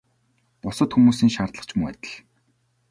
Бусад хүмүүсийн шаардлага ч мөн адил.